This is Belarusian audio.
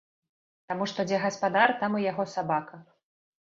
Таму што дзе гаспадар, там і яго сабака.